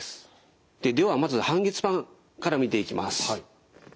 ではまず半月板から見ていきます。